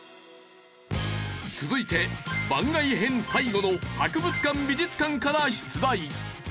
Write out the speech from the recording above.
続いて番外編最後の博物館・美術館から出題。